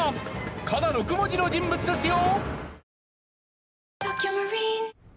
６文字の人物ですよ！